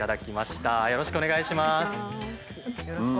よろしくお願いします。